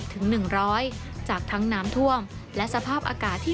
๘๐ถึง๑๐๐จากทั้งน้ำท่วมและสภาพอากาศที่